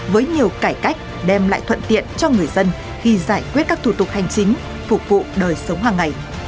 với nhiều cải cách đem lại thuận tiện cho người dân khi giải quyết các thủ tục hành chính phục vụ đời sống hàng ngày